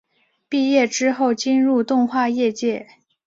毕业之后进入动画业界。